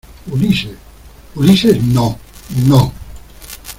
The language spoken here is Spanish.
Ulises. ¡ Ulises, no! ¡ no !